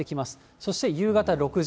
そして夕方６時。